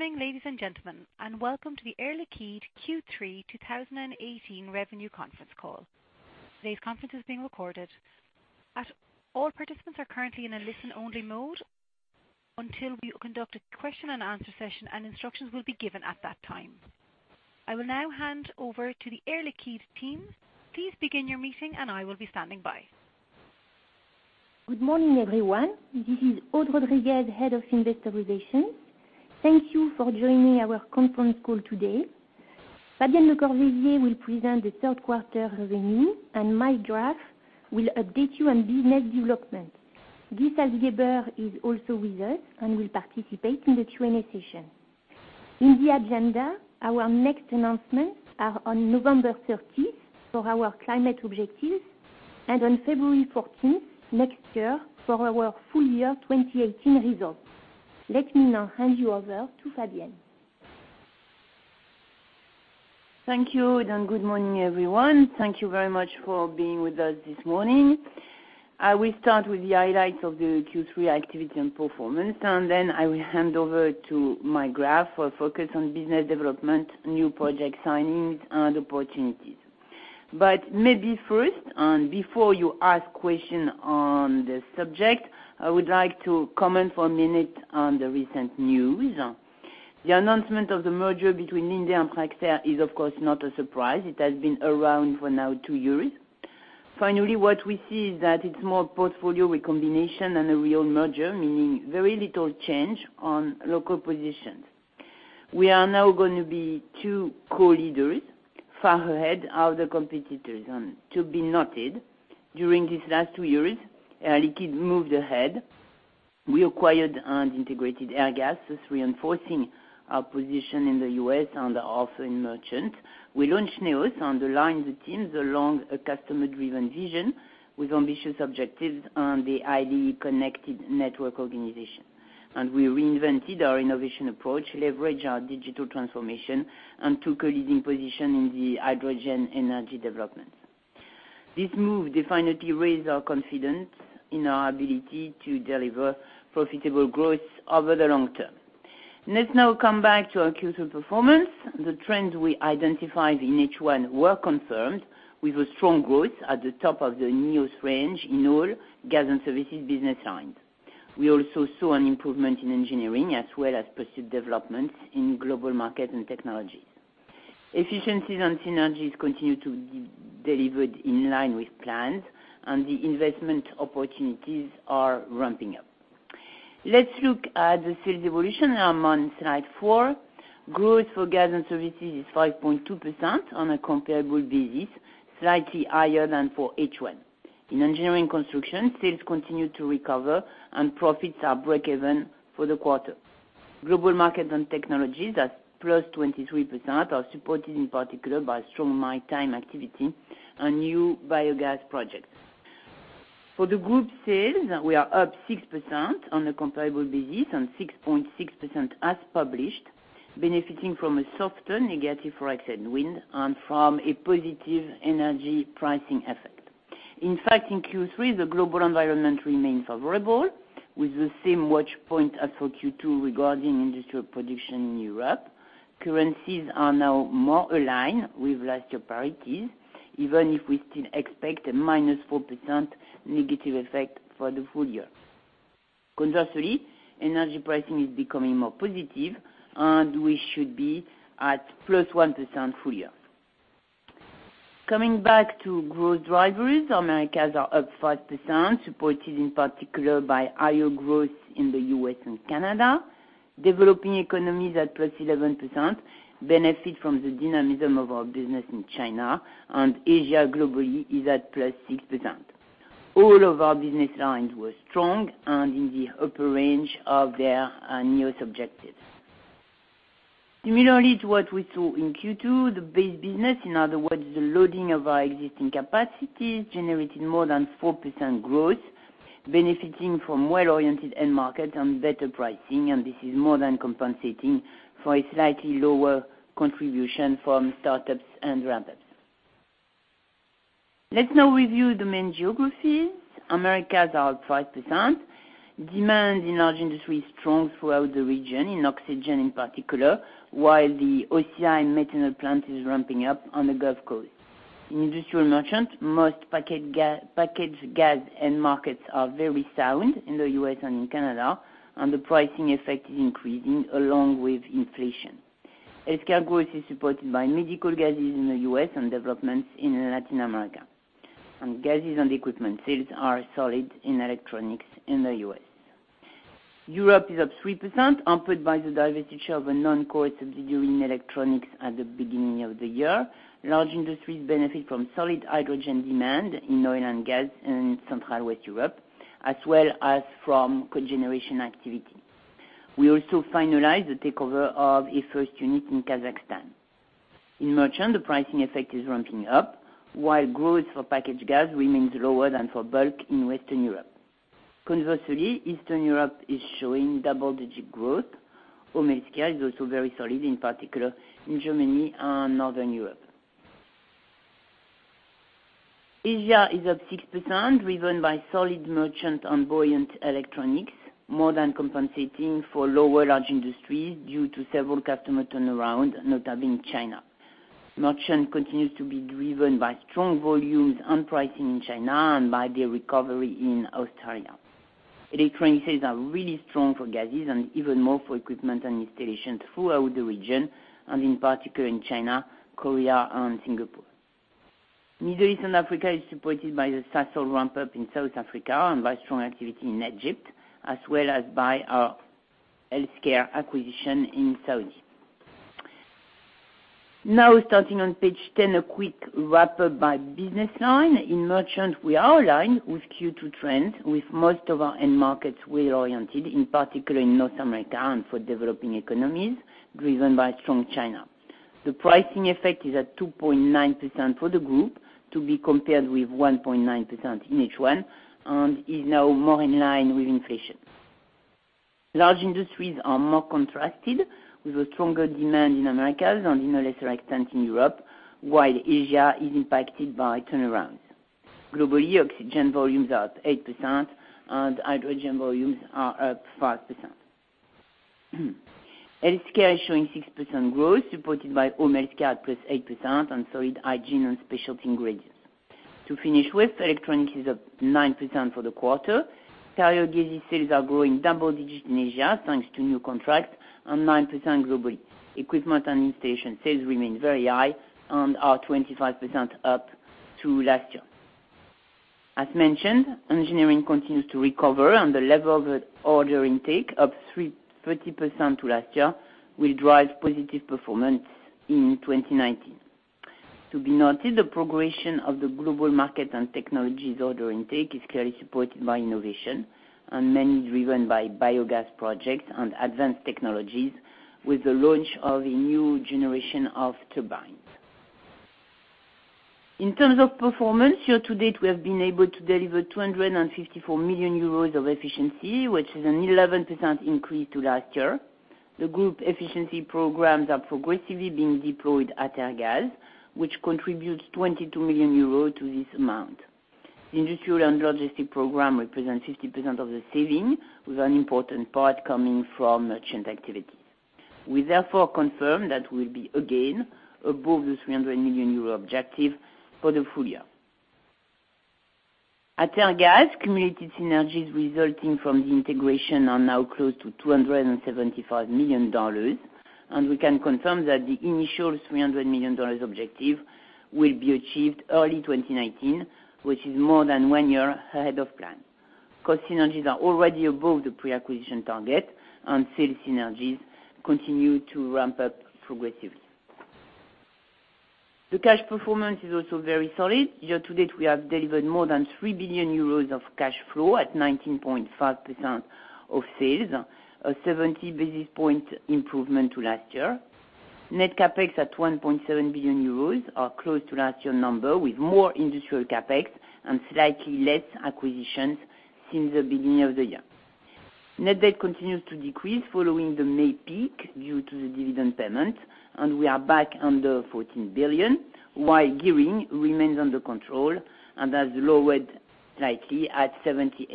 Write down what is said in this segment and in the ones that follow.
Good morning, ladies and gentlemen, welcome to the Air Liquide Q3 2018 Revenue Conference Call. Today's conference is being recorded. All participants are currently in a listen-only mode until we conduct a question and answer session, instructions will be given at that time. I will now hand over to the Air Liquide team. Please begin your meeting, I will be standing by. Good morning, everyone. This is Aude Rodriguez, head of investor relations. Thank you for joining our conference call today. Fabienne Lecorvaisier will present the third quarter revenue, Michael Graff will update you on business development. Guy Salzgeber is also with us, will participate in the Q&A session. In the agenda, our next announcements are on November 30th for our climate objectives, on February 14th next year for our full year 2018 results. Let me now hand you over to Fabienne. Thank you, good morning, everyone. Thank you very much for being with us this morning. I will start with the highlights of the Q3 activity, performance, then I will hand over to Michael Graff for a focus on business development, new project signings, opportunities. Maybe first, before you ask questions on the subject, I would like to comment for a minute on the recent news. The announcement of the merger between Linde and Praxair is, of course, not a surprise. It has been around for now two years. Finally, what we see is that it's more portfolio recombination than a real merger, meaning very little change on local positions. We are now going to be two co-leaders far ahead of the competitors. To be noted, during these last two years, Air Liquide moved ahead. We acquired, integrated Airgas, thus reinforcing our position in the U.S., also in merchant. We launched NEOS, aligned the teams along a customer-driven vision with ambitious objectives on the ID connected network organization. We reinvented our innovation approach, leveraged our digital transformation, took a leading position in the hydrogen energy development. This move definitely raised our confidence in our ability to deliver profitable growth over the long term. Let's now come back to our Q3 performance. The trends we identified in H1 were confirmed, with a strong growth at the top of the NEOS range in all gas, services business lines. We also saw an improvement in engineering as well as pursued developments in Global Markets & Technologies. Efficiencies, synergies continue to be delivered in line with plans, the investment opportunities are ramping up. Let's look at the sales evolution. I'm on slide four. Growth for gas and services is 5.2% on a comparable basis, slightly higher than for H1. In engineering construction, sales continue to recover and profits are breakeven for the quarter. Global Markets & Technologies at +23% are supported in particular by strong maritime activity and new biogas projects. For the group sales, we are up 6% on a comparable basis and 6.6% as published, benefiting from a softer negative foreign exchange wind and from a positive energy pricing effect. In fact, in Q3, the global environment remains favorable with the same watch point as for Q2 regarding industrial production in Europe. Currencies are now more aligned with last year priorities, even if we still expect a -4% negative effect for the full year. Conversely, energy pricing is becoming more positive, and we should be at +1% full year. Coming back to growth drivers, Americas are up 5%, supported in particular by higher growth in the U.S. and Canada. Developing economies at +11% benefit from the dynamism of our business in China, and Asia globally is at +6%. All of our business lines were strong and in the upper range of their NEOS objectives. Similarly to what we saw in Q2, the base business, in other words, the loading of our existing capacities, generated more than 4% growth, benefiting from well-oriented end market and better pricing, and this is more than compensating for a slightly lower contribution from startups and ramp-ups. Let's now review the main geographies. Americas are up 5%. Demand in large industry is strong throughout the region, in oxygen in particular, while the OCI methanol plant is ramping up on the Gulf Coast. In industrial merchant, most packaged gas end markets are very sound in the U.S. and in Canada, and the pricing effect is increasing along with inflation. Healthcare growth is supported by medical gases in the U.S. and developments in Latin America. Gases and equipment sales are solid in electronics in the U.S. Europe is up 3%, hampered by the divestiture of a non-core subsidiary in electronics at the beginning of the year. Large industries benefit from solid hydrogen demand in oil and gas in Central Western Europe, as well as from cogeneration activity. We also finalized the takeover of a first unit in Kazakhstan. In merchant, the pricing effect is ramping up while growth for packaged gas remains lower than for bulk in Western Europe. Conversely, Eastern Europe is showing double-digit growth. Home healthcare is also very solid, in particular in Germany and Northern Europe. Asia is up 6%, driven by solid Merchant and buoyant Electronics, more than compensating for lower Large Industries due to several customer turnaround, notably in China. Merchant continues to be driven by strong volumes and pricing in China and by the recovery in Australia. Electronics sales are really strong for gases and even more for equipment and installations throughout the region, and in particular in China, Korea, and Singapore. Middle East and Africa is supported by the Sasol ramp-up in South Africa and by strong activity in Egypt, as well as by our healthcare acquisition in Saudi. Starting on page 10, a quick wrap-up by business line. In Merchant, we are aligned with Q2 trends, with most of our end markets well-oriented, in particular in North America and for developing economies, driven by strong China. The pricing effect is at 2.9% for the group to be compared with 1.9% in H1 and is now more in line with inflation. Large Industries are more contrasted, with a stronger demand in Americas and in a lesser extent in Europe, while Asia is impacted by turnarounds. Globally, oxygen volumes are up 8% and hydrogen volumes are up 5%. Healthcare is showing 6% growth, supported by Home Healthcare at plus 8% and solid Hygiene and Specialty Ingredients. To finish with, Electronics is up 9% for the quarter. Cryogases sales are growing double digits in Asia, thanks to new contracts, and 9% globally. Equipment and installation sales remain very high and are 25% up to last year. As mentioned, Engineering continues to recover, and the level of order intake, up 30% to last year, will drive positive performance in 2019. To be noted, the progression of the Global Markets & Technologies order intake is clearly supported by innovation and mainly driven by biogas projects and advanced technologies with the launch of a new generation of turbines. In terms of performance, year-to-date, we have been able to deliver 254 million euros of efficiency, which is an 11% increase to last year. The group efficiency programs are progressively being deployed at Airgas, which contributes 22 million euros to this amount. The industrial and logistic program represents 50% of the saving, with an important part coming from Merchant activity. We therefore confirm that we'll be, again, above the 300 million euro objective for the full year. At Airgas, cumulative synergies resulting from the integration are now close to $275 million, and we can confirm that the initial $300 million objective will be achieved early 2019, which is more than one year ahead of plan. Cost synergies are already above the pre-acquisition target, and sales synergies continue to ramp up progressively. The cash performance is also very solid. Year-to-date, we have delivered more than 3 billion euros of cash flow at 19.5% of sales, a 70 basis point improvement to last year. Net CapEx at 1.7 billion euros are close to last year number, with more industrial CapEx and slightly less acquisitions since the beginning of the year. Net Debt continues to decrease following the May peak due to the dividend payment, and we are back under 14 billion, while gearing remains under control and has lowered slightly at 78%.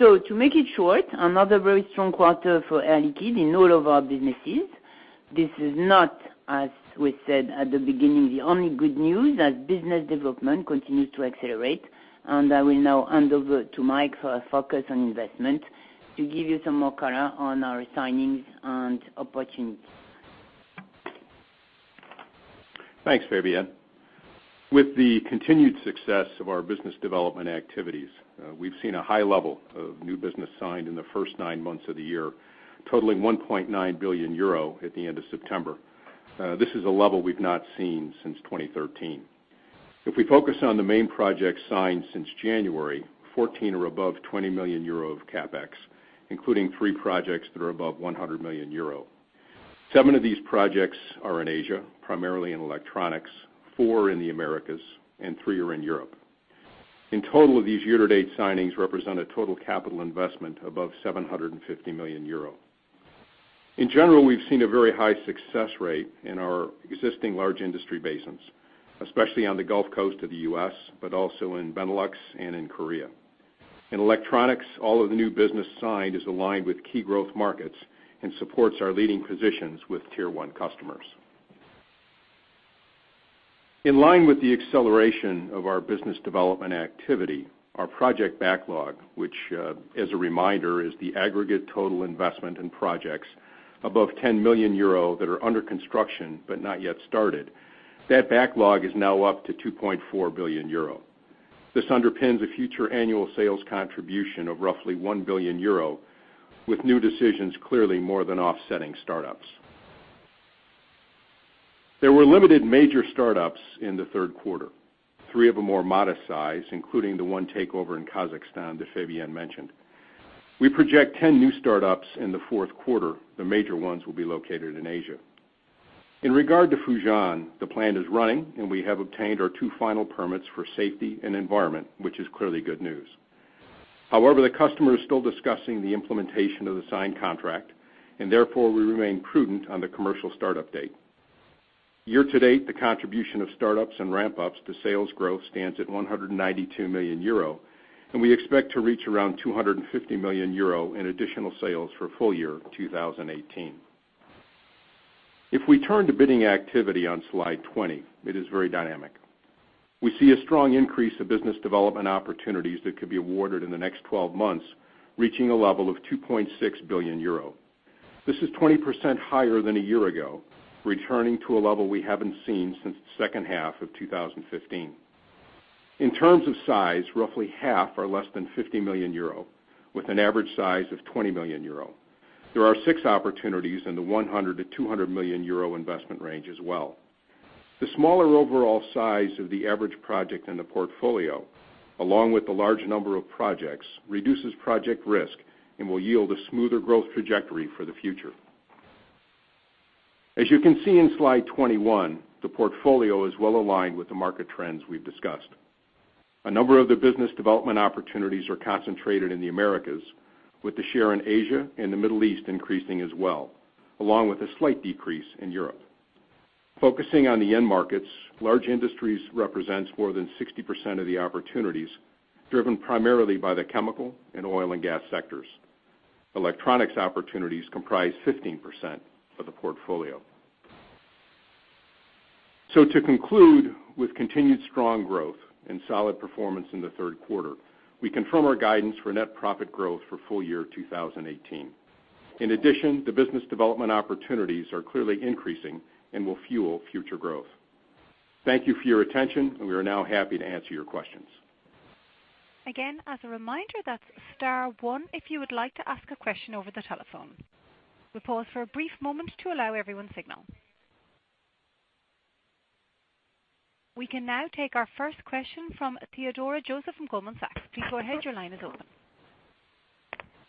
To make it short, another very strong quarter for Air Liquide in all of our businesses. This is not, as we said at the beginning, the only good news, as business development continues to accelerate and I will now hand over to Mike for a focus on investment to give you some more color on our signings and opportunities. Thanks, Fabienne. With the continued success of our business development activities, we've seen a high level of new business signed in the first nine months of the year, totaling 1.9 billion euro at the end of September. This is a level we've not seen since 2013. If we focus on the main projects signed since January, 14 are above 20 million euro of CapEx, including 3 projects that are above 100 million euro. 7 of these projects are in Asia, primarily in Electronics, 4 are in the Americas, and 3 are in Europe. In total, these year-to-date signings represent a total capital investment above 750 million euro. In general, we've seen a very high success rate in our existing large industry basins, especially on the Gulf Coast of the U.S., but also in Benelux and in Korea. In Electronics, all of the new business signed is aligned with key growth markets and supports our leading positions with Tier One customers. In line with the acceleration of our business development activity, our project backlog, which, as a reminder, is the aggregate total investment in projects above 10 million euro that are under construction but not yet started, that backlog is now up to 2.4 billion euro. This underpins a future annual sales contribution of roughly 1 billion euro, with new decisions clearly more than offsetting startups. There were limited major startups in the third quarter, 3 of a more modest size, including the one takeover in Kazakhstan that Fabienne mentioned. We project 10 new startups in the fourth quarter. The major ones will be located in Asia. In regard to Fujian, the plant is running, and we have obtained our 2 final permits for safety and environment, which is clearly good news. However, the customer is still discussing the implementation of the signed contract, and therefore, we remain prudent on the commercial startup date. Year-to-date, the contribution of startups and ramp-ups to sales growth stands at 192 million euro, and we expect to reach around 250 million euro in additional sales for full year 2018. If we turn to bidding activity on Slide 20, it is very dynamic. We see a strong increase of business development opportunities that could be awarded in the next 12 months, reaching a level of 2.6 billion euro. This is 20% higher than a year ago, returning to a level we haven't seen since the second half of 2015. In terms of size, roughly half are less than 50 million euro, with an average size of 20 million euro. There are 6 opportunities in the 100 to 200 million euro investment range as well. The smaller overall size of the average project in the portfolio, along with the large number of projects, reduces project risk and will yield a smoother growth trajectory for the future. As you can see in Slide 21, the portfolio is well-aligned with the market trends we've discussed. A number of the business development opportunities are concentrated in the Americas, with the share in Asia and the Middle East increasing as well, along with a slight decrease in Europe. Focusing on the end markets, large industries represents more than 60% of the opportunities, driven primarily by the chemical and oil and gas sectors. Electronics opportunities comprise 15% of the portfolio. To conclude, with continued strong growth and solid performance in the third quarter, we confirm our guidance for net profit growth for full year 2018. In addition, the business development opportunities are clearly increasing and will fuel future growth. Thank you for your attention. We are now happy to answer your questions. Again, as a reminder, that's star one if you would like to ask a question over the telephone. We'll pause for a brief moment to allow everyone signal. We can now take our first question from Theodora Joseph from Goldman Sachs. Please go ahead. Your line is open.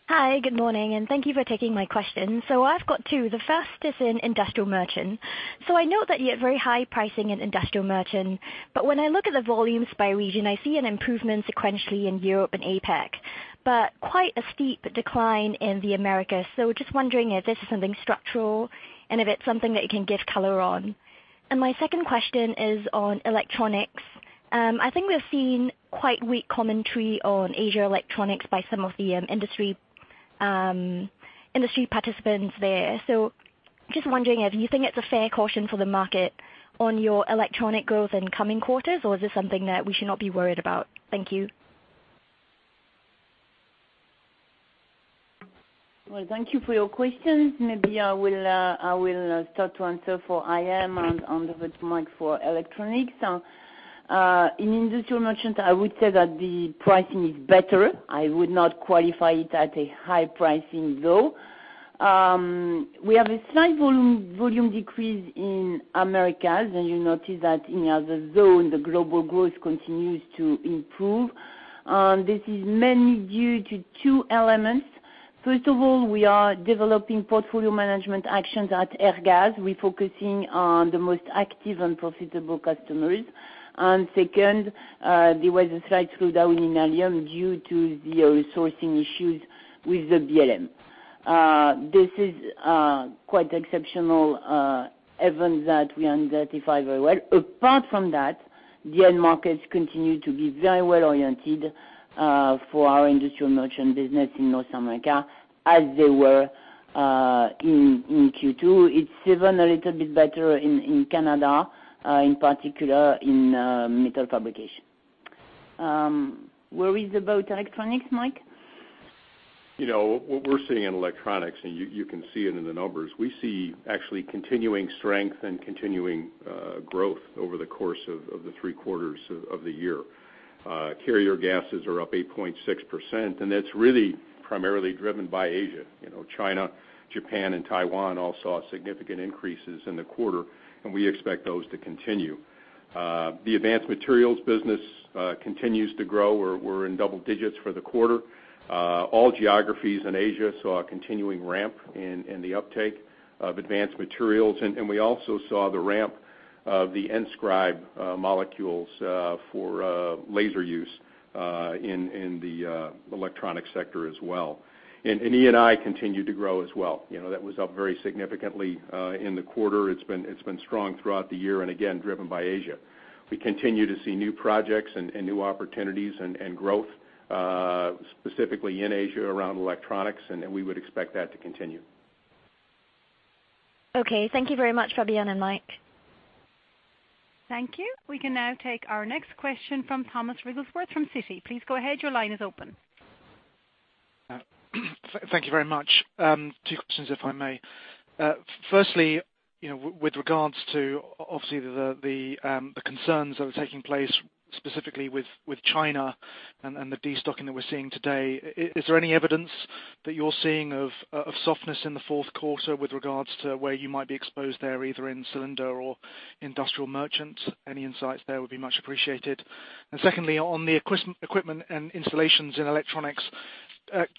Hi, good morning. Thank you for taking my question. I've got two. The first is in industrial merchant. I note that you have very high pricing in industrial merchant. When I look at the volumes by region, I see an improvement sequentially in Europe and APAC, quite a steep decline in the Americas. Just wondering if this is something structural and if it's something that you can give color on. My second question is on electronics. I think we've seen quite weak commentary on Asia Electronics by some of the industry participants there. Just wondering if you think it's a fair caution for the market on your electronic growth in coming quarters, or is this something that we should not be worried about? Thank you. Thank you for your questions. Maybe I will start to answer for IM and hand over to Mike for electronics. In industrial merchant, I would say that the pricing is better. I would not qualify it at a high pricing, though. We have a slight volume decrease in Americas. You notice that in other zone, the global growth continues to improve. This is mainly due to two elements. First of all, we are developing portfolio management actions at Airgas. We're focusing on the most active and profitable customers. Second, there was a slight slowdown in helium due to the sourcing issues with the BLM. This is quite exceptional event that we identify very well. Apart from that, the end markets continue to be very well-oriented for our industrial merchant business in North America, as they were in Q2. It's even a little bit better in Canada, in particular in metal fabrication. Worries about electronics, Mike? What we're seeing in electronics, and you can see it in the numbers, we see actually continuing strength and continuing growth over the course of the three quarters of the year. Carrier gases are up 8.6%, and that's really primarily driven by Asia. China, Japan, and Taiwan all saw significant increases in the quarter, and we expect those to continue. The advanced materials business continues to grow. We're in double digits for the quarter. All geographies in Asia saw a continuing ramp in the uptake of advanced materials. We also saw the ramp of the enScribe molecules for laser use in the electronic sector as well. E&I continued to grow as well. That was up very significantly in the quarter. It's been strong throughout the year and again, driven by Asia. We continue to see new projects and new opportunities and growth, specifically in Asia around electronics, and we would expect that to continue. Okay. Thank you very much, Fabienne and Mike. Thank you. We can now take our next question from Tom Wrigglesworth from Citi. Please go ahead. Your line is open. Thank you very much. Two questions, if I may. Firstly, with regards to, obviously, the concerns that are taking place, specifically with China and the destocking that we're seeing today, is there any evidence that you're seeing of softness in the fourth quarter with regards to where you might be exposed there, either in cylinder or industrial merchant? Any insights there would be much appreciated. Secondly, on the equipment and installations in electronics.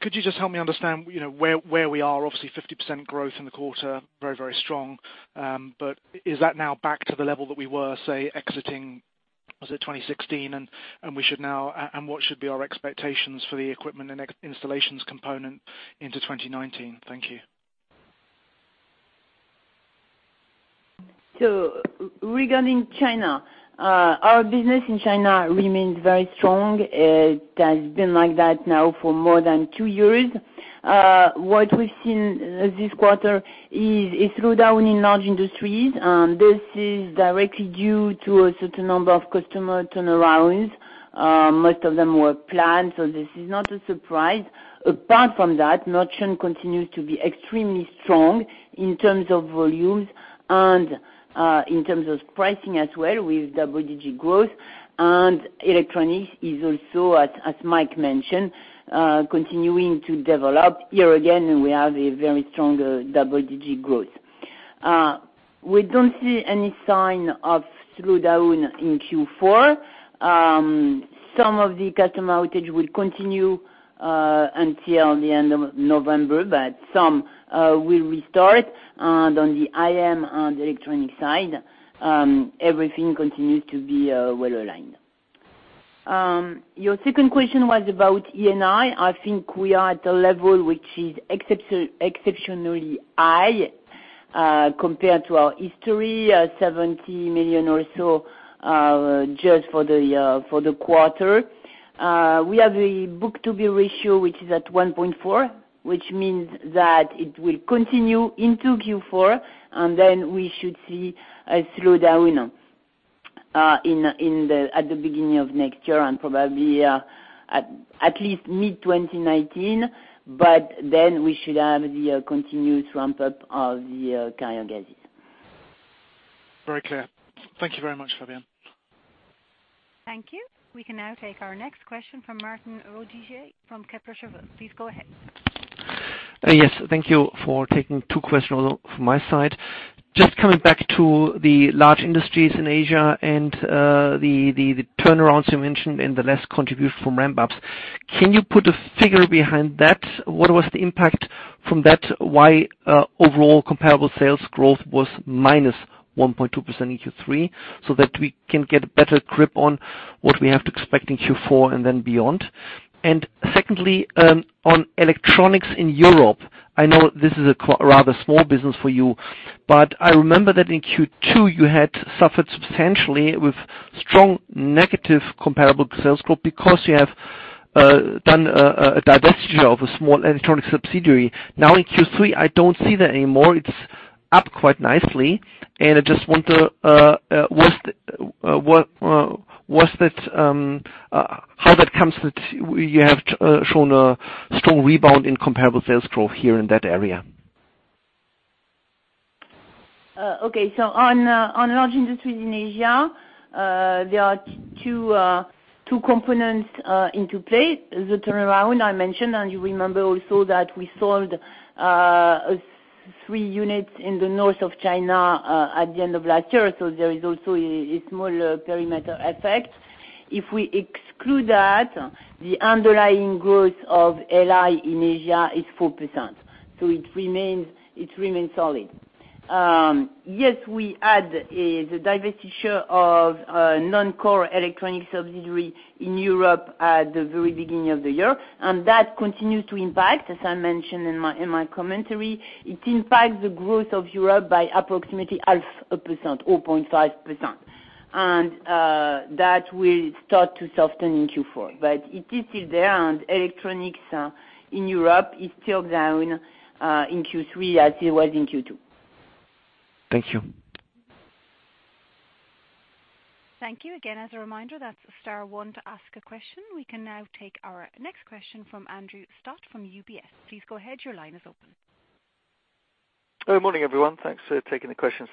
Could you just help me understand where we are? Obviously, 50% growth in the quarter, very strong. Is that now back to the level that we were, say, exiting, was it 2016? What should be our expectations for the equipment and installations component into 2019? Thank you. Regarding China, our business in China remains very strong. It has been like that now for more than two years. What we've seen this quarter is a slowdown in large industries. This is directly due to a certain number of customer turnarounds. Most of them were planned, so this is not a surprise. Apart from that, IM continues to be extremely strong in terms of volumes and in terms of pricing as well, with double-digit growth. Electronics is also, as Mike mentioned, continuing to develop. Here again, we have a very strong double-digit growth. We don't see any sign of slowdown in Q4. Some of the customer outage will continue until the end of November, but some will restart. On the IM and the electronic side, everything continues to be well-aligned. Your second question was about E&I. I think we are at a level which is exceptionally high compared to our history, 70 million or so just for the quarter. We have a book-to-bill ratio which is at 1.4, which means that it will continue into Q4. We should see a slowdown at the beginning of next year and probably at least mid-2019. We should have the continuous ramp-up of the cryogases. Very clear. Thank you very much, Fabienne. Thank you. We can now take our next question from Martin Roediger from Kepler Cheuvreux. Please go ahead. Yes, thank you for taking two questions from my side. Just coming back to the large industries in Asia and the turnarounds you mentioned and the less contribution from ramp-ups. Can you put a figure behind that? What was the impact from that? Why overall comparable sales growth was -1.2% in Q3, that we can get a better grip on what we have to expect in Q4 and beyond? Secondly, on electronics in Europe, I know this is a rather small business for you, but I remember that in Q2, you had suffered substantially with strong negative comparable sales growth because you have done a divestiture of a small electronic subsidiary. Now in Q3, I don't see that anymore. It's up quite nicely. I just wonder, how that comes that you have shown a strong rebound in comparable sales growth here in that area? Okay, on large industries in Asia, there are two components into play. The turnaround I mentioned, you remember also that we sold three units in the north of China at the end of last year. There is also a small perimeter effect. If we exclude that, the underlying growth of LI in Asia is 4%. It remains solid. Yes, we had the divestiture of a non-core electronic subsidiary in Europe at the very beginning of the year, that continues to impact, as I mentioned in my commentary. It impacts the growth of Europe by approximately 0.5%. That will start to soften in Q4. It is still there, and electronics in Europe is still down in Q3 as it was in Q2. Thank you. Thank you. Again, as a reminder, that's star one to ask a question. We can now take our next question from Andrew Stott from UBS. Please go ahead. Your line is open. Good morning, everyone. Thanks for taking the questions.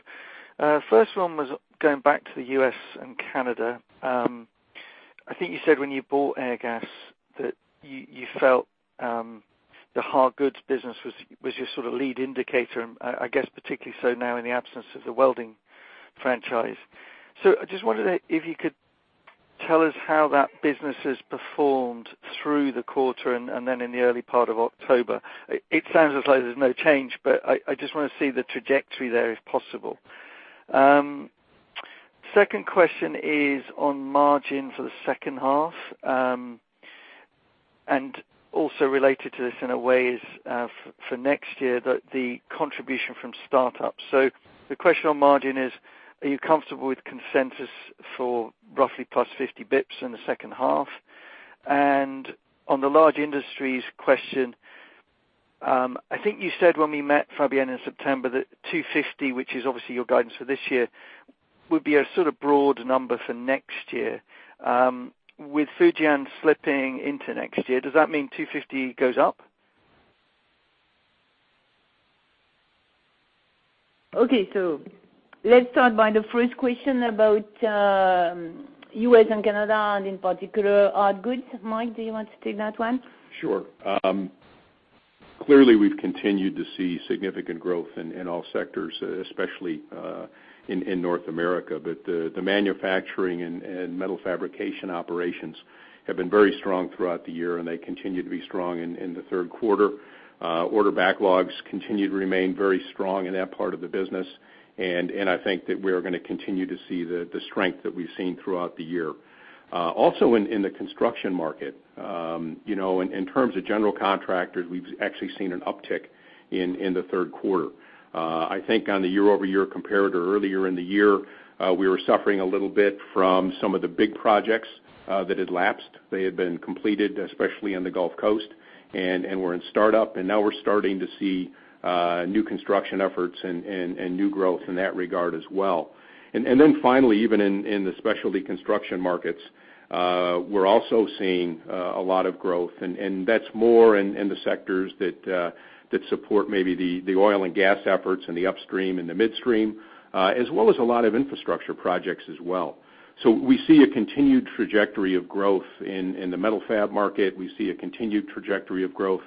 First one was going back to the U.S. and Canada. I think you said when you bought Airgas that you felt the hard goods business was your sort of lead indicator, I guess particularly so now in the absence of the welding franchise. I just wondered if you could tell us how that business has performed through the quarter and then in the early part of October. It sounds as though there's no change, but I just want to see the trajectory there, if possible. Second question is on margin for the second half, and also related to this in a way is for next year, the contribution from startups. The question on margin is, are you comfortable with consensus for roughly plus 50 basis points in the second half? On the large industries question, I think you said when we met Fabienne in September that 250, which is obviously your guidance for this year, would be a sort of broad number for next year. With Fujian slipping into next year, does that mean 250 goes up? Okay, let's start by the first question about U.S. and Canada, and in particular, hard goods. Mike, do you want to take that one? Sure. Clearly, we've continued to see significant growth in all sectors, especially in North America. The manufacturing and metal fabrication operations have been very strong throughout the year, and they continue to be strong in the third quarter. Order backlogs continue to remain very strong in that part of the business, and I think that we are going to continue to see the strength that we've seen throughout the year. Also in the construction market, in terms of general contractors, we've actually seen an uptick in the third quarter. I think on the year-over-year comparator earlier in the year, we were suffering a little bit from some of the big projects that had lapsed. They had been completed, especially in the Gulf Coast, and were in startup, and now we're starting to see new construction efforts and new growth in that regard as well. Finally, even in the specialty construction markets, we're also seeing a lot of growth, and that's more in the sectors that support maybe the oil and gas efforts and the upstream and the midstream, as well as a lot of infrastructure projects as well. We see a continued trajectory of growth in the metal fab market. We see a continued trajectory of growth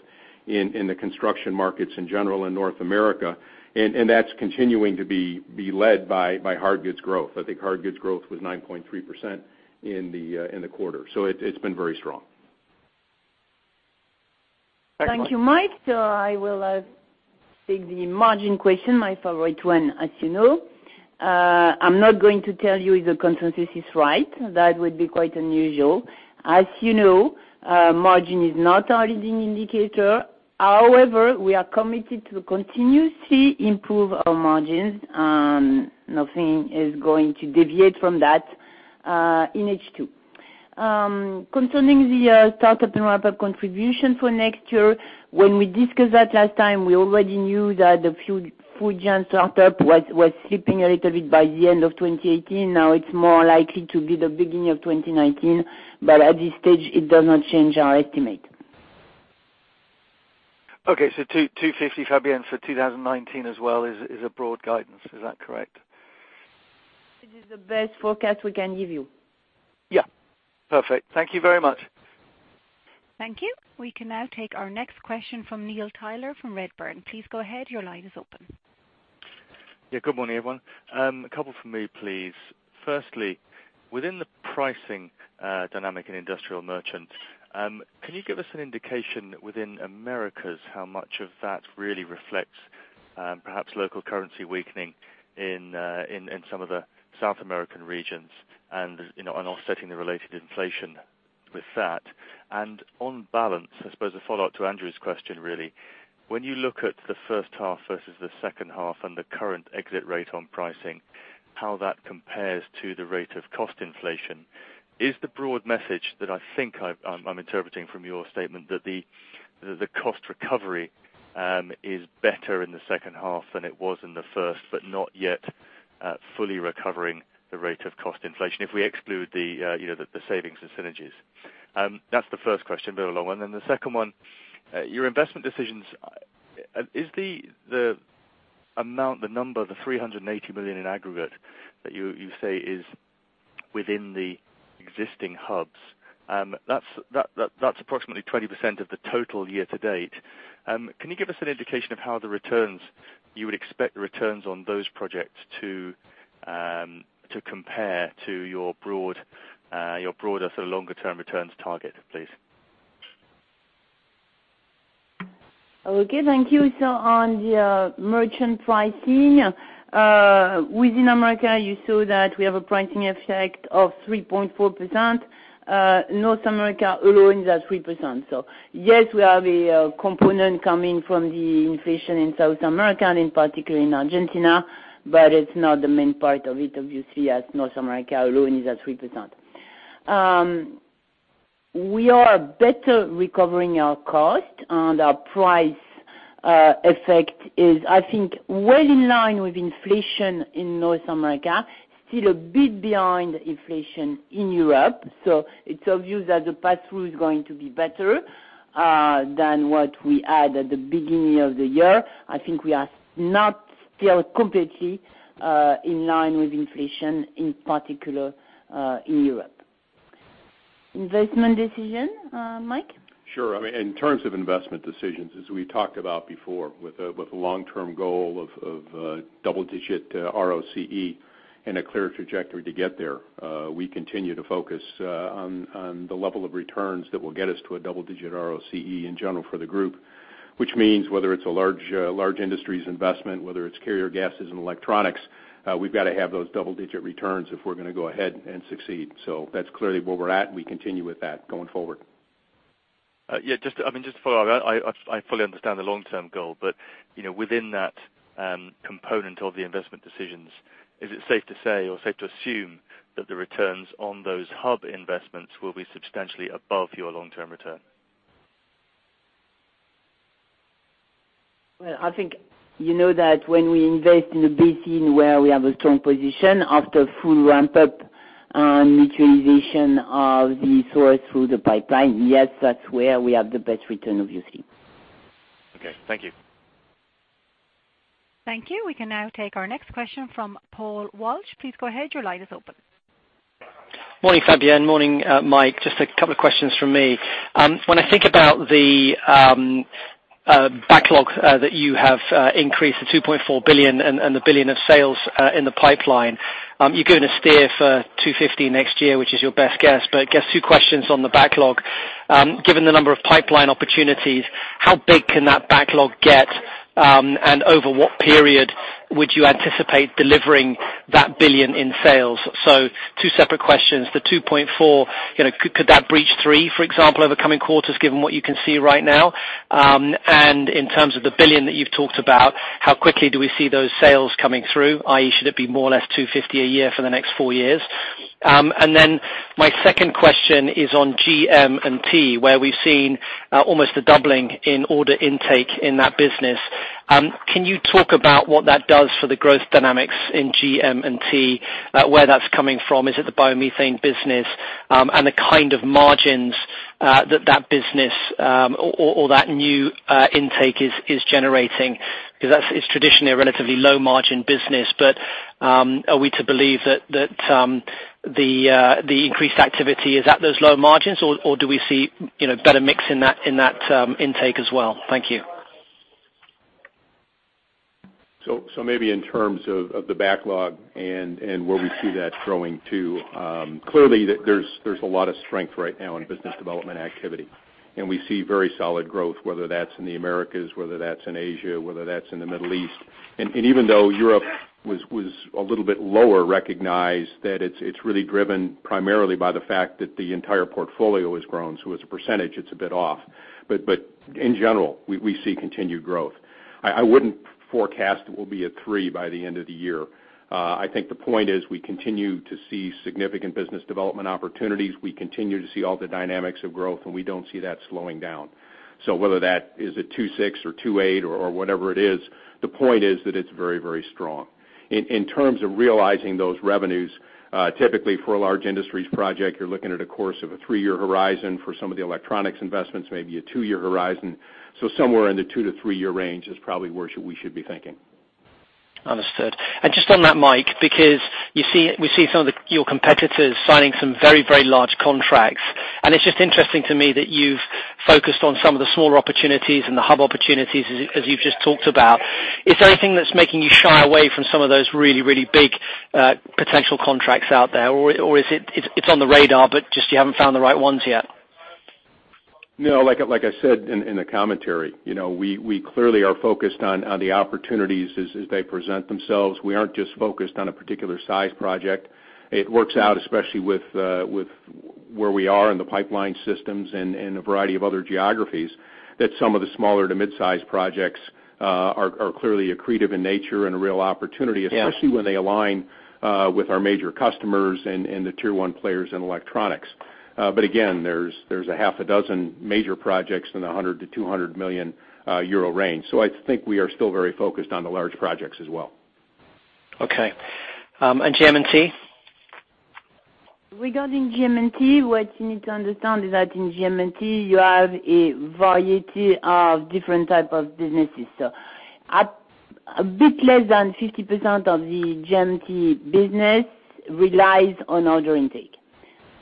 in the construction markets in general in North America, and that's continuing to be led by hard goods growth. I think hard goods growth was 9.3% in the quarter. It's been very strong. Thank you, Mike. I will take the margin question, my favorite one, as you know. I'm not going to tell you if the consensus is right. That would be quite unusual. As you know, margin is not our leading indicator. However, we are committed to continuously improve our margins. Nothing is going to deviate from that in H2. Concerning the startup and ramp-up contribution for next year, when we discussed that last time, we already knew that the Fujian startup was slipping a little bit by the end of 2018. Now it's more likely to be the beginning of 2019, but at this stage, it does not change our estimate. Okay, 250, Fabienne, for 2019 as well is a broad guidance. Is that correct? It is the best forecast we can give you. Yeah. Perfect. Thank you very much. Thank you. We can now take our next question from Neil Tyler from Redburn. Please go ahead. Your line is open. Good morning, everyone. A couple from me, please. Firstly, within the pricing dynamic in industrial merchant, can you give us an indication within Americas how much of that really reflects perhaps local currency weakening in some of the South American regions and offsetting the related inflation with that? On balance, I suppose a follow-up to Andrew's question, really. When you look at the first half versus the second half and the current exit rate on pricing, how that compares to the rate of cost inflation, is the broad message that I think I'm interpreting from your statement that the cost recovery is better in the second half than it was in the first, but not yet fully recovering the rate of cost inflation if we exclude the savings and synergies? That's the first question, a bit of a long one. The second one, your investment decisions, is the amount, the number, the 380 million in aggregate that you say is within the existing hubs, that's approximately 20% of the total year to date. Can you give us an indication of how you would expect the returns on those projects to compare to your broader, longer-term returns target, please? Thank you. On the merchant pricing, within America, you saw that we have a pricing effect of 3.4%. North America alone is at 3%. Yes, we have a component coming from the inflation in South America, and particularly in Argentina, but it's not the main part of it, obviously, as North America alone is at 3%. We are better recovering our cost, and our price effect is, I think, well in line with inflation in North America, still a bit behind inflation in Europe. It's obvious that the pass-through is going to be better than what we had at the beginning of the year. I think we are not still completely in line with inflation, in particular, in Europe. Investment decision, Mike? Sure. In terms of investment decisions, as we talked about before, with a long-term goal of double-digit ROCE and a clear trajectory to get there, we continue to focus on the level of returns that will get us to a double-digit ROCE in general for the group. Which means whether it's a large industries investment, whether it's carrier gases and electronics, we've got to have those double-digit returns if we're going to go ahead and succeed. That's clearly where we're at, and we continue with that going forward. Yeah. Just to follow up, I fully understand the long-term goal, but within that component of the investment decisions, is it safe to say or safe to assume that the returns on those hub investments will be substantially above your long-term return? Well, I think you know that when we invest in a basin where we have a strong position after full ramp-up and mutualization of the source through the pipeline, yes, that's where we have the best return, obviously. Okay. Thank you. Thank you. We can now take our next question from Paul Walsh. Please go ahead. Your line is open. Morning, Fabienne. Morning, Mike. Just a couple of questions from me. When I think about the backlog that you have increased to 2.4 billion and the 1 billion of sales in the pipeline, you're giving a steer for 250 next year, which is your best guess. I guess two questions on the backlog. Given the number of pipeline opportunities, how big can that backlog get, and over what period would you anticipate delivering that 1 billion in sales? Two separate questions. The 2.4, could that breach three, for example, over coming quarters given what you can see right now? And in terms of the 1 billion that you've talked about, how quickly do we see those sales coming through, i.e., should it be more or less 250 a year for the next four years? My second question is on GM&T, where we've seen almost a doubling in order intake in that business. Can you talk about what that does for the growth dynamics in GM&T, where that's coming from? Is it the biomethane business, and the kind of margins that business or that new intake is generating? Because that is traditionally a relatively low-margin business. Are we to believe that the increased activity is at those low margins, or do we see better mix in that intake as well? Thank you. Maybe in terms of the backlog and where we see that growing too. Clearly, there's a lot of strength right now in business development activity, and we see very solid growth, whether that's in the Americas, whether that's in Asia, whether that's in the Middle East. Even though Europe was a little bit lower, recognize that it's really driven primarily by the fact that the entire portfolio has grown. As a percentage, it's a bit off. In general, we see continued growth. I wouldn't forecast it will be a three by the end of the year. I think the point is we continue to see significant business development opportunities. We continue to see all the dynamics of growth, and we don't see that slowing down. Whether that is a 2.6 or 2.8 or whatever it is, the point is that it's very strong. In terms of realizing those revenues, typically for a large industries project, you're looking at a course of a three-year horizon. For some of the electronics investments, maybe a two-year horizon. Somewhere in the two to three-year range is probably where we should be thinking. Understood. Just on that, Mike, because we see some of your competitors signing some very large contracts, and it's just interesting to me that you've focused on some of the smaller opportunities and the hub opportunities as you've just talked about. Is there anything that's making you shy away from some of those really big potential contracts out there? Is it on the radar, but just you haven't found the right ones yet? Like I said in the commentary, we clearly are focused on the opportunities as they present themselves. We aren't just focused on a particular size project. It works out, especially with where we are in the pipeline systems and a variety of other geographies, that some of the smaller to mid-size projects are clearly accretive in nature and a real opportunity. Yeah Especially when they align with our major customers and the tier 1 players in electronics. Again, there's a half a dozen major projects in the 100 million-200 million euro range. I think we are still very focused on the large projects as well. Okay. GM&T? Regarding GM&T, what you need to understand is that in GM&T, you have a variety of different type of businesses. A bit less than 50% of the GM&T business relies on order intake.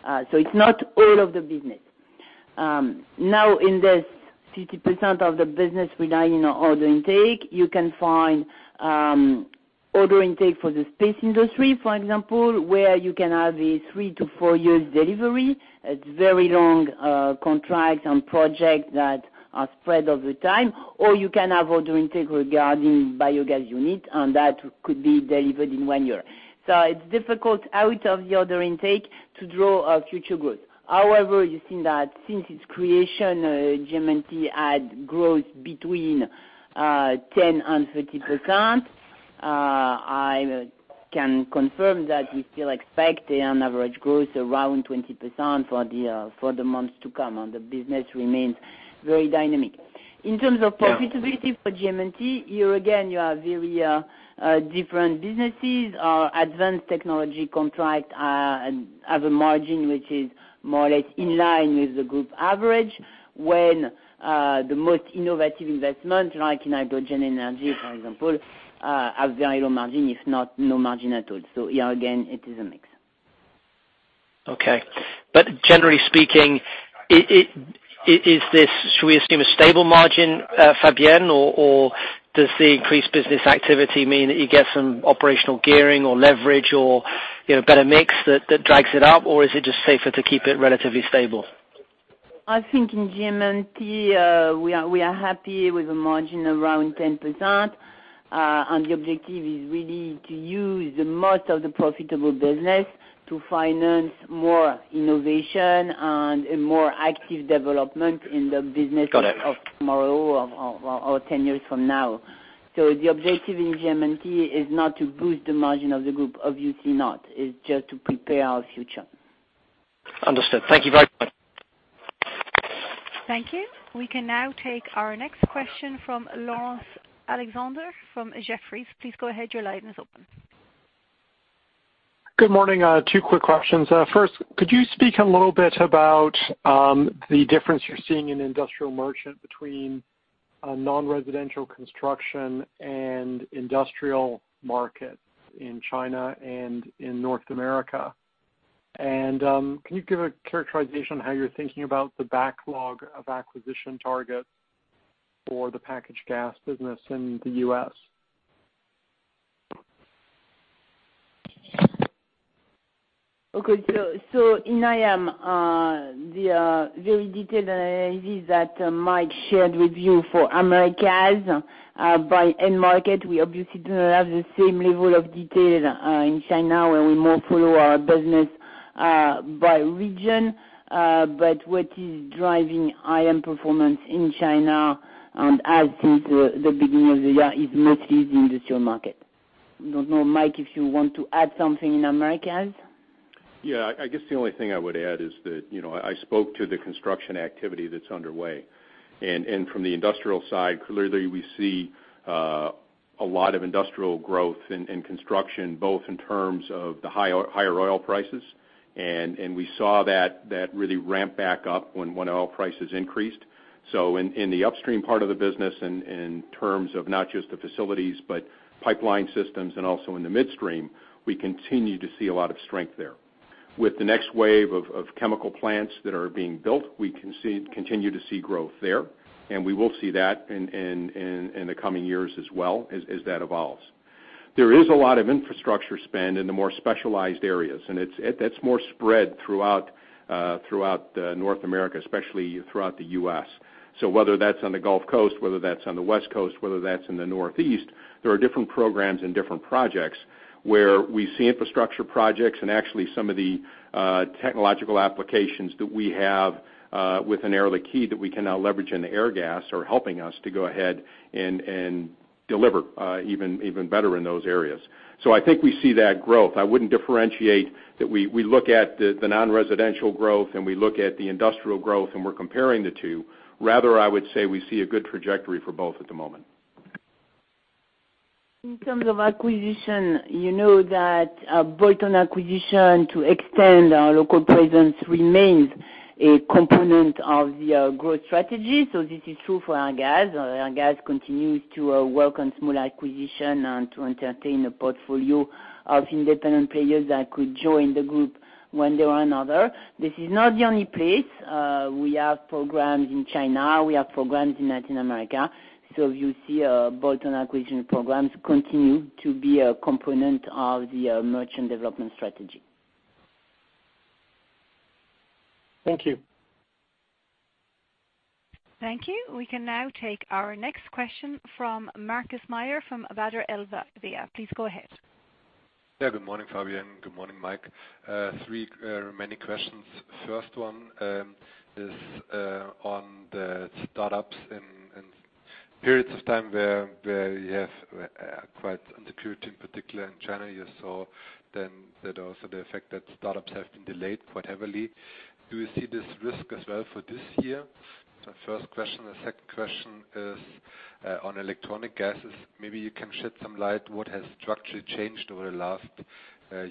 It's not all of the business. In this 50% of the business relying on order intake, you can find order intake for the space industry, for example, where you can have a 3-4 years delivery. It's very long contracts and projects that are spread over time, or you can have order intake regarding biogas unit, and that could be delivered in one year. It's difficult out of the order intake to draw a future growth. However, you've seen that since its creation, GM&T had growth between 10% and 30%. I can confirm that we still expect an average growth around 20% for the months to come, the business remains very dynamic. Yeah. In terms of profitability for GM&T, here again, you have very different businesses. Our advanced technology contract have a margin which is more or less in line with the group average, when the most innovative investment, like in hydrogen energy, for example, have very low margin, if not no margin at all. Here again, it is a mix. Generally speaking, should we assume a stable margin, Fabienne, or does the increased business activity mean that you get some operational gearing or leverage or better mix that drags it up, or is it just safer to keep it relatively stable? I think in GM&T, we are happy with the margin around 10%, and the objective is really to use the most of the profitable business to finance more innovation and a more active development in the business. Got it. of tomorrow or 10 years from now. The objective in GM&T is not to boost the margin of the group, obviously not. It's just to prepare our future. Understood. Thank you very much. Thank you. We can now take our next question from Laurence Alexander from Jefferies. Please go ahead. Your line is open. Good morning. Two quick questions. First, could you speak a little bit about the difference you're seeing in industrial merchant between non-residential construction and industrial markets in China and in North America? Can you give a characterization on how you're thinking about the backlog of acquisition targets for the packaged gas business in the U.S.? Okay. In IM, the very detailed analysis that Mike shared with you for Americas by end market, we obviously do not have the same level of detail in China where we more follow our business by region. What is driving IM performance in China, and as since the beginning of the year, is mostly the industrial market. I don't know, Mike, if you want to add something in Americas. Yeah. I guess the only thing I would add is that, I spoke to the construction activity that's underway. From the industrial side, clearly we see a lot of industrial growth in construction, both in terms of the higher oil prices, and we saw that really ramp back up when oil prices increased. In the upstream part of the business, in terms of not just the facilities, but pipeline systems and also in the midstream, we continue to see a lot of strength there. With the next wave of chemical plants that are being built, we continue to see growth there, and we will see that in the coming years as well as that evolves. There is a lot of infrastructure spend in the more specialized areas, and that's more spread throughout North America, especially throughout the U.S. Whether that's on the Gulf Coast, whether that's on the West Coast, whether that's in the Northeast, there are different programs and different projects where we see infrastructure projects and actually some of the technological applications that we have with an Air Liquide that we can now leverage in the Airgas are helping us to go ahead and deliver even better in those areas. I think we see that growth. I wouldn't differentiate that we look at the non-residential growth, and we look at the industrial growth, and we're comparing the two. Rather, I would say we see a good trajectory for both at the moment. In terms of acquisition, you know that a bolt-on acquisition to extend our local presence remains a component of the growth strategy. This is true for Airgas. Airgas continues to work on small acquisition and to entertain a portfolio of independent players that could join the group one way or another. This is not the only place. We have programs in China, we have programs in Latin America. You see bolt-on acquisition programs continue to be a component of the merchant development strategy. Thank you. Thank you. We can now take our next question from Markus Mayer from Baader Helvea. Please go ahead. Good morning, Fabienne. Good morning, Mike. Three main questions. First one is on the startups in periods of time where you have quite uncertainty, in particular in China, you saw that also the effect that startups have been delayed quite heavily. Do you see this risk as well for this year? First question. The second question is on electronic gases. Maybe you can shed some light what has structurally changed over the last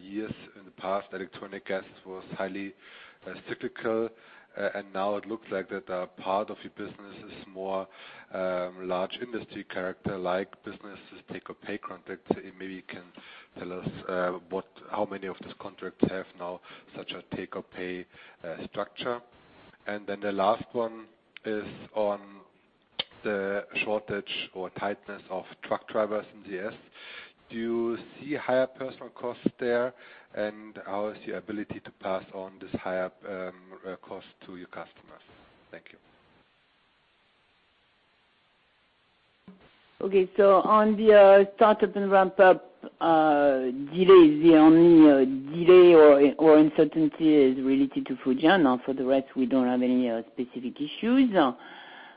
years. In the past, electronic gases was highly cyclical. Now it looks like that a part of your business is more large industry character like businesses take or pay contracts. Maybe you can tell us how many of these contracts have now such a take or pay structure. The last one is on the shortage or tightness of truck drivers in the U.S. Do you see higher personal costs there? How is your ability to pass on this higher cost to your customers? Thank you. Okay. On the startup and ramp-up delays, the only delay or uncertainty is related to Fujian. For the rest, we don't have any specific issues.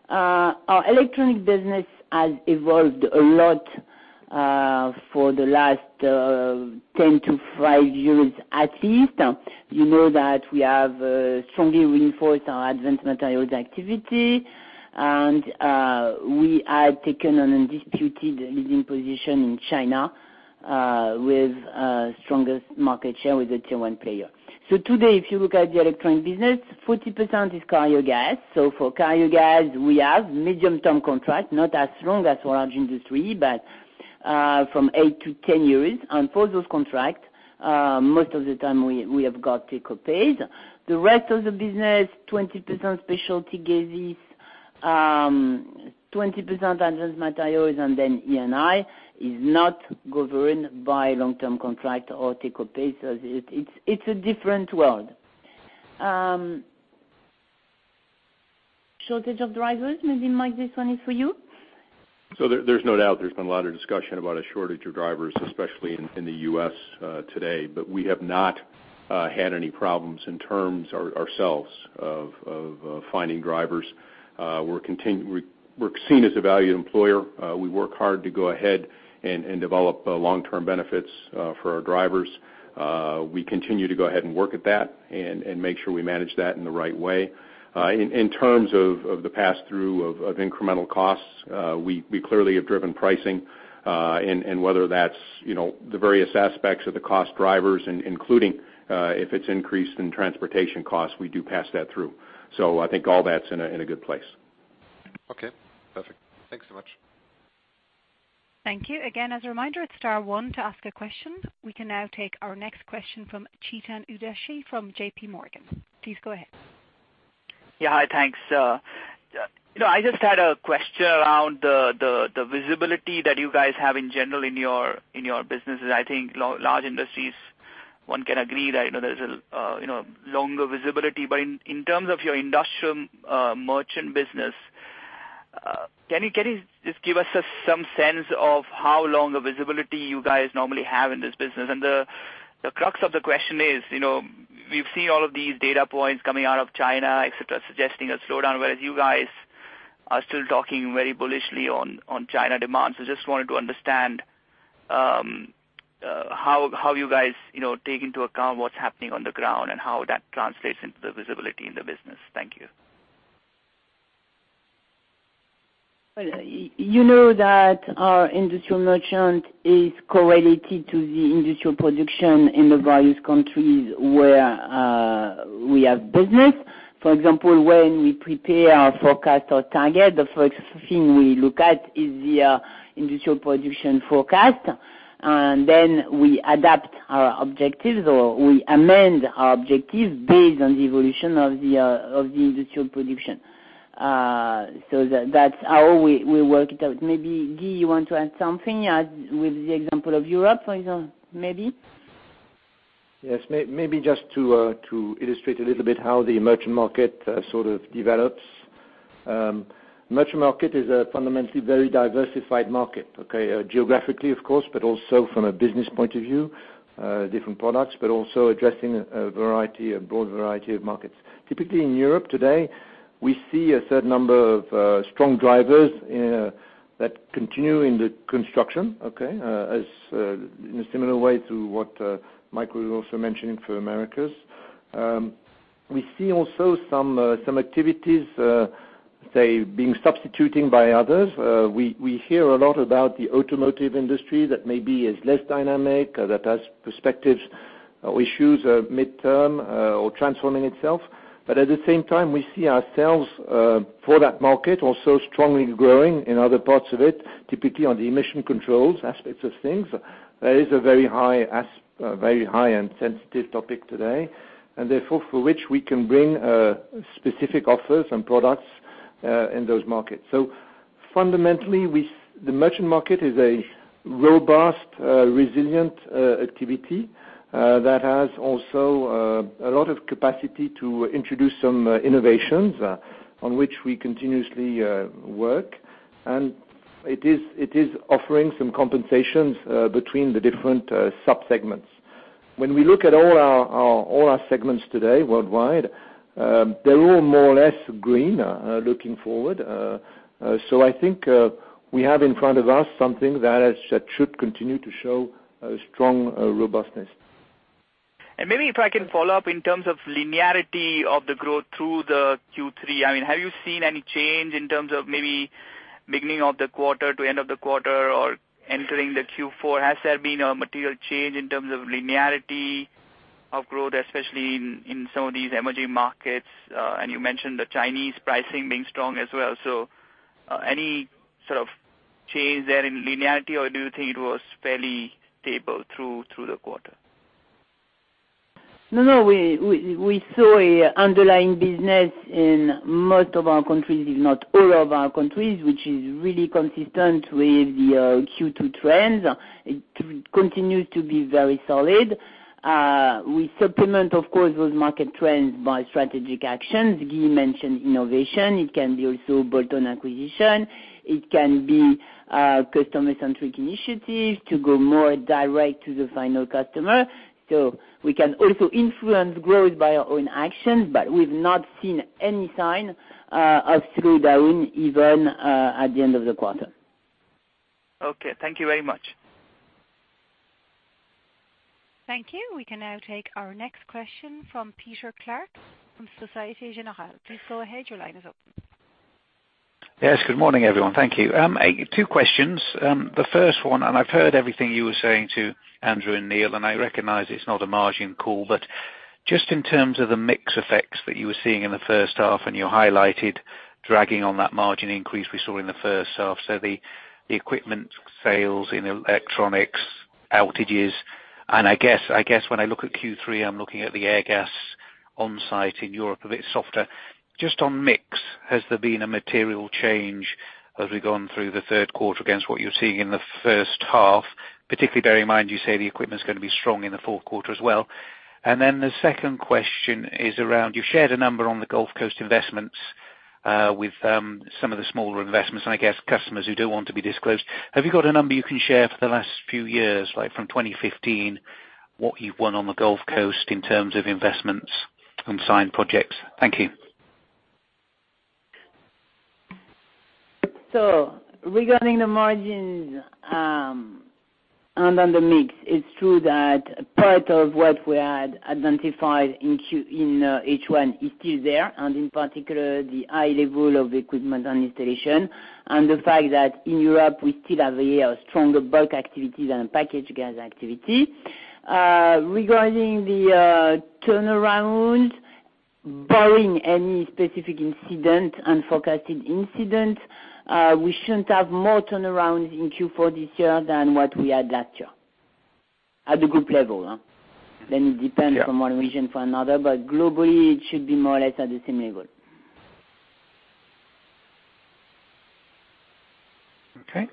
Our electronic business has evolved a lot for the last 10 to 5 years at least. You know that we have strongly reinforced our advanced materials activity. We had taken an undisputed leading position in China with strongest market share with a Tier One player. Today, if you look at the electronic business, 40% is cryogas. For cryogas, we have medium-term contract, not as long as for large industry, but from 8 to 10 years. For those contracts, most of the time we have got take or pays. The rest of the business, 20% specialty gases, 20% advanced materials, E&I is not governed by long-term contract or take or pay. It's a different world. Shortage of drivers, maybe Mike, this one is for you. There's no doubt there's been a lot of discussion about a shortage of drivers, especially in the U.S. today. We have not had any problems in terms ourselves of finding drivers. We're seen as a valued employer. We work hard to go ahead and develop long-term benefits for our drivers. We continue to go ahead and work at that and make sure we manage that in the right way. In terms of the pass-through of incremental costs, we clearly have driven pricing, and whether that's the various aspects of the cost drivers, including if it's increased in transportation costs, we do pass that through. I think all that's in a good place. Okay. Perfect. Thanks so much. Thank you. Again, as a reminder, it's star one to ask a question. We can now take our next question from Chetan Udeshi from J.P. Morgan. Please go ahead. Yeah. Hi. Thanks. I just had a question around the visibility that you guys have in general in your businesses. I think large industries, one can agree that there's a longer visibility. In terms of your industrial merchant business, can you just give us some sense of how long a visibility you guys normally have in this business? The crux of the question is, we've seen all of these data points coming out of China, et cetera, suggesting a slowdown, whereas you guys are still talking very bullishly on China demands. Just wanted to understand how you guys take into account what's happening on the ground and how that translates into the visibility in the business. Thank you. You know that our industrial merchant is correlated to the industrial production in the various countries where we have business. For example, when we prepare our forecast or target, the first thing we look at is the industrial production forecast. Then we adapt our objectives, or we amend our objectives based on the evolution of the industrial production. That's how we work it out. Maybe, Guy, you want to add something with the example of Europe, for example, maybe? Yes. Maybe just to illustrate a little bit how the merchant market sort of develops. Merchant market is a fundamentally very diversified market. Okay. Geographically, of course, but also from a business point of view, different products, but also addressing a broad variety of markets. Typically, in Europe today, we see a certain number of strong drivers that continue in the construction, okay, as in a similar way to what Michael was also mentioning for Americas. We see also some activities, say, being substituted by others. We hear a lot about the automotive industry that maybe is less dynamic, that has perspectives issues midterm or transforming itself. At the same time, we see ourselves for that market also strongly growing in other parts of it, typically on the emission controls aspects of things. That is a very high and sensitive topic today, therefore, for which we can bring specific offers and products in those markets. Fundamentally, the merchant market is a robust, resilient activity that has also a lot of capacity to introduce some innovations on which we continuously work. It is offering some compensations between the different subsegments. When we look at all our segments today worldwide, they're all more or less green looking forward. I think we have in front of us something that should continue to show a strong robustness. Maybe if I can follow up in terms of linearity of the growth through the Q3. Have you seen any change in terms of maybe beginning of the quarter to end of the quarter or entering the Q4? Has there been a material change in terms of linearity of growth, especially in some of these emerging markets? You mentioned the Chinese pricing being strong as well. Any sort of change there in linearity, or do you think it was fairly stable through the quarter? No. We saw underlying business in most of our countries, if not all of our countries, which is really consistent with the Q2 trends. It continues to be very solid. We supplement, of course, those market trends by strategic actions. Guy mentioned innovation. It can be also bolt-on acquisition. It can be customer-centric initiative to go more direct to the final customer. We can also influence growth by our own actions, but we've not seen any sign of slowdown, even at the end of the quarter. Okay. Thank you very much. Thank you. We can now take our next question from Peter Clark from Société Générale. Please go ahead. Your line is open. Yes. Good morning, everyone. Thank you. Two questions. The first one, I've heard everything you were saying to Andrew and Neil, and I recognize it's not a margin call, but just in terms of the mix effects that you were seeing in the first half, and you highlighted dragging on that margin increase we saw in the first half. So the equipment sales in electronics outages. I guess when I look at Q3, I'm looking at the Airgas on-site in Europe, a bit softer. Just on mix, has there been a material change as we've gone through the third quarter against what you're seeing in the first half? Particularly bearing in mind you say the equipment's going to be strong in the fourth quarter as well. The second question is around, you shared a number on the Gulf Coast investments, with some of the smaller investments, and I guess customers who don't want to be disclosed. Have you got a number you can share for the last few years, like from 2015, what you've won on the Gulf Coast in terms of investments and signed projects? Thank you. Regarding the margins, and on the mix, it's true that part of what we had identified in H1 is still there, and in particular, the high level of equipment and installation and the fact that in Europe, we still have a stronger bulk activity than package gas activity. Regarding the turnaround. Barring any specific incident, unfocused incident, we shouldn't have more turnarounds in Q4 this year than what we had last year. At the group level. It depends- Sure from one region for another, globally, it should be more or less at the same level. Okay.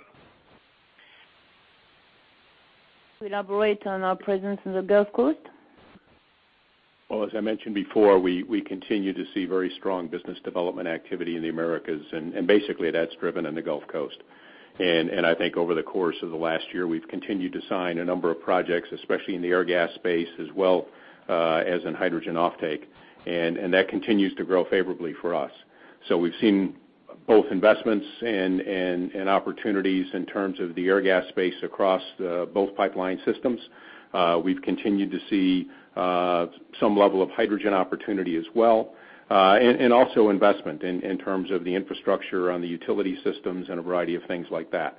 Elaborate on our presence in the Gulf Coast? As I mentioned before, we continue to see very strong business development activity in the Americas, basically that's driven in the Gulf Coast. I think over the course of the last year, we've continued to sign a number of projects, especially in the air gases space, as well as in hydrogen offtake, that continues to grow favorably for us. We've seen both investments and opportunities in terms of the air gases space across both pipeline systems. We've continued to see some level of hydrogen opportunity as well, also investment in terms of the infrastructure on the utility systems and a variety of things like that.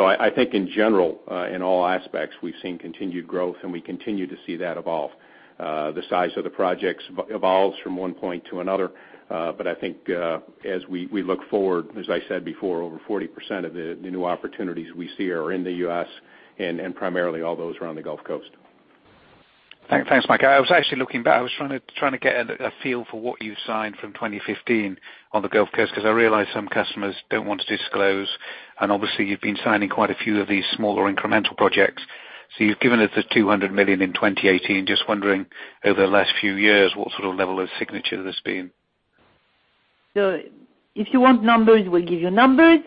I think in general, in all aspects, we've seen continued growth and we continue to see that evolve. The size of the projects evolves from one point to another. I think, as we look forward, as I said before, over 40% of the new opportunities we see are in the U.S. and primarily all those are on the Gulf Coast. Thanks, Mike. I was actually looking back. I was trying to get a feel for what you signed from 2015 on the Gulf Coast, because I realize some customers don't want to disclose, obviously you've been signing quite a few of these smaller incremental projects. You've given us the 200 million in 2018. Just wondering, over the last few years, what sort of level of signature there's been. If you want numbers, we'll give you numbers.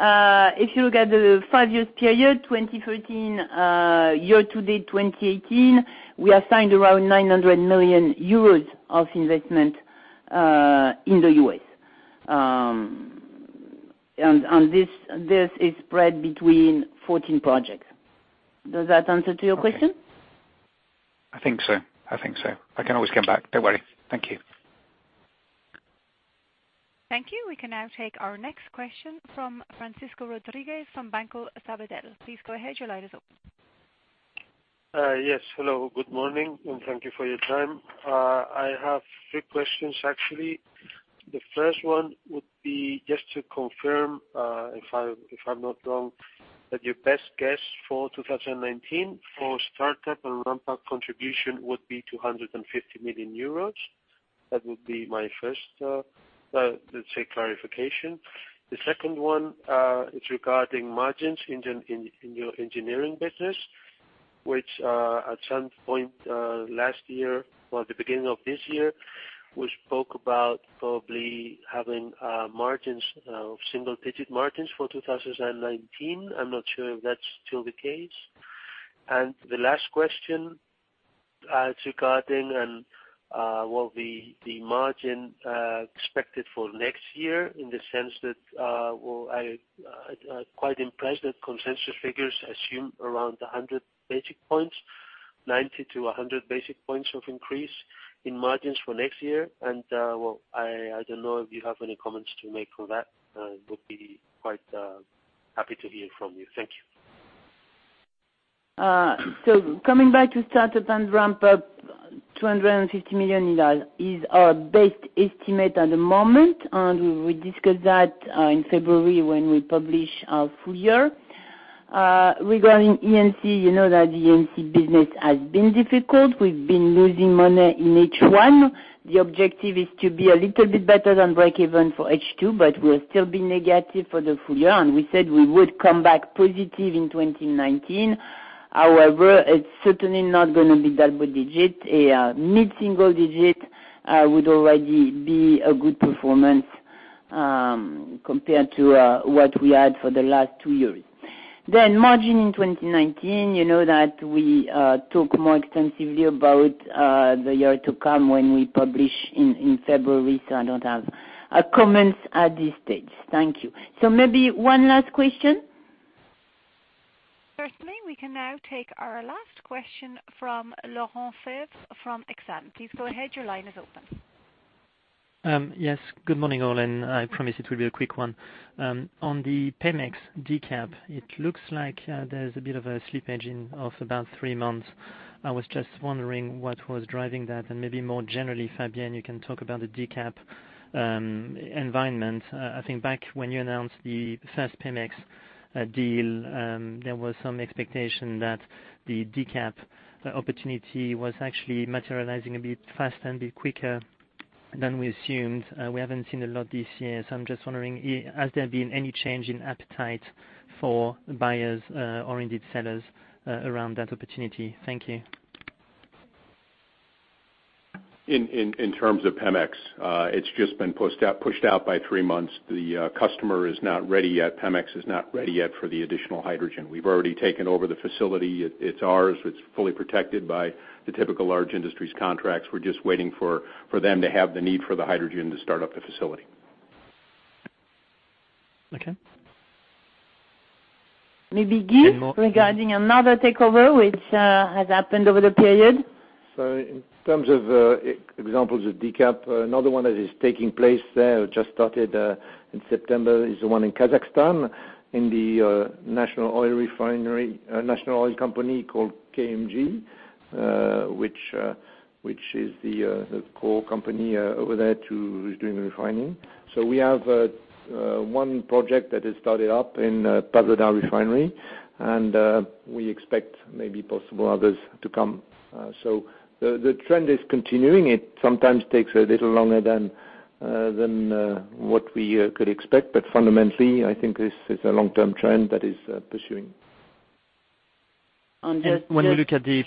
If you look at the five years period, 2013 year to date 2018, we have signed around 900 million euros of investment in the U.S. This is spread between 14 projects. Does that answer to your question? I think so. I can always come back. Don't worry. Thank you. Thank you. We can now take our next question from Francisco Rodriguez from Banco Sabadell. Please go ahead. Your line is open. Yes. Hello. Good morning, and thank you for your time. I have three questions, actually. The first one would be just to confirm, if I'm not wrong, that your best guess for 2019 for startup and ramp-up contribution would be 250 million euros. That would be my first, let's say, clarification. The second one is regarding margins in your engineering business, which at some point last year or the beginning of this year, we spoke about probably having single-digit margins for 2019. I'm not sure if that's still the case. The last question is regarding the margin expected for next year in the sense that, I'm quite impressed that consensus figures assume around 100 basic points, 90 to 100 basic points of increase in margins for next year. I don't know if you have any comments to make for that. Would be quite happy to hear from you. Thank you. Coming back to startup and ramp-up, 250 million is our best estimate at the moment, and we discuss that in February when we publish our full year. Regarding E&C, you know that the E&C business has been difficult. We've been losing money in H1. The objective is to be a little bit better than breakeven for H2, but we'll still be negative for the full year. We said we would come back positive in 2019. However, it's certainly not going to be double digit. A mid-single digit would already be a good performance compared to what we had for the last 2 years. Margin in 2019, you know that we talk more extensively about the year to come when we publish in February, so I don't have comments at this stage. Thank you. Maybe one last question. Certainly. We can now take our last question from Laurent Favre from Exane. Please go ahead. Your line is open. Yes. Good morning, all, I promise it will be a quick one. On the Pemex decaf, it looks like there's a bit of a slippage in of about 3 months. I was just wondering what was driving that, maybe more generally, Fabienne, you can talk about the decaf environment. I think back when you announced the first Pemex deal, there was some expectation that the decaf opportunity was actually materializing a bit faster and a bit quicker than we assumed. We haven't seen a lot this year, I'm just wondering, has there been any change in appetite for buyers or indeed sellers around that opportunity? Thank you. In terms of Pemex, it's just been pushed out by 3 months. The customer is not ready yet. Pemex is not ready yet for the additional hydrogen. We've already taken over the facility. It's ours. It's fully protected by the typical large industries contracts. We're just waiting for them to have the need for the hydrogen to start up the facility. Okay. Maybe, Guy, regarding another takeover which has happened over the period. In terms of examples of decaf, another one that is taking place there, just started in September, is the one in Kazakhstan, in the national oil company called KazMunayGas, which is the core company over there who's doing the refining. We have one project that has started up in Pavlodar refinery, and we expect maybe possible others to come. The trend is continuing. It sometimes takes a little longer than what we could expect, but fundamentally, I think this is a long-term trend that is pursuing. When we look at the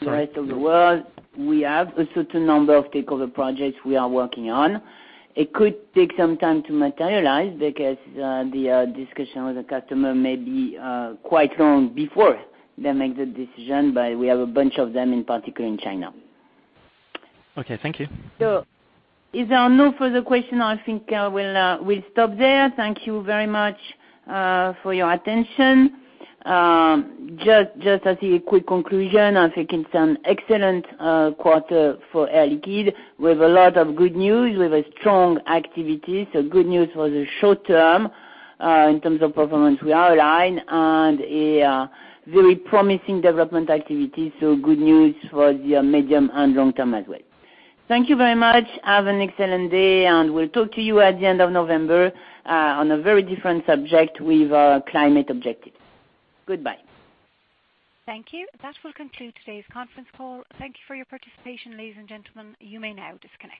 The rest of the world, we have a certain number of takeover projects we are working on. It could take some time to materialize because the discussion with the customer may be quite long before they make the decision, but we have a bunch of them, in particular in China. Okay, thank you. If there are no further question, I think we'll stop there. Thank you very much for your attention. Just as a quick conclusion, I think it's an excellent quarter for Air Liquide. We have a lot of good news. We have a strong activity, so good news for the short term, in terms of performance we outlined, and a very promising development activity, so good news for the medium and long term as well. Thank you very much. Have an excellent day, and we'll talk to you at the end of November on a very different subject with our climate objectives. Goodbye. Thank you. That will conclude today's conference call. Thank you for your participation, ladies and gentlemen. You may now disconnect.